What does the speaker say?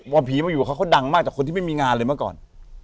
พอผีมาอยู่กับเขาเขาดังมากจากคนที่ไม่มีงานเลยเมื่อก่อน